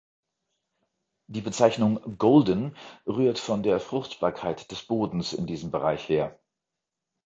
Die Bezeichnung „golden“ rührt von der Fruchtbarkeit des Bodens in diesem Bereich her.